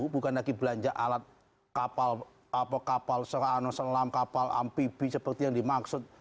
bukan lagi belanja alat kapal serana selam kapal ampibi seperti yang dimaksud